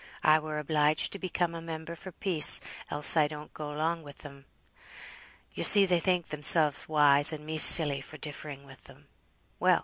I were obliged to become a member for peace, else I don't go along with 'em. Yo see they think themselves wise, and me silly, for differing with them; well!